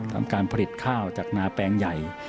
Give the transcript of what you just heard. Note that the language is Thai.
ทำการผลิตข้าวจากนาแปลงใหญ่